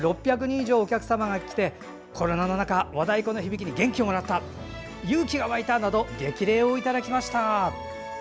６００人以上お客様が来まして和太鼓の響きに元気をもらった勇気が湧いたなど激励をいただきました。